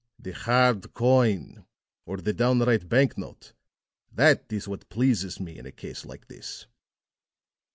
The hard coin, or the downright bank note; that is what pleases me in a case like this."